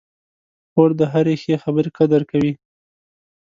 خور د هرې ښې خبرې قدر کوي.